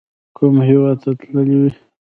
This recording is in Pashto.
کوم هیواد ته تللي وئ؟